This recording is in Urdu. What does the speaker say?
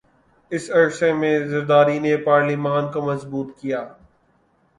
س عرصے میں زرداری نے پارلیمان کو مضبوط کیا